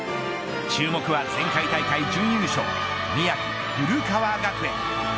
注目は、前回大会準優勝宮城、古川学園。